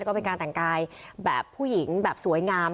ก็เป็นการแต่งกายแบบผู้หญิงแบบสวยงาม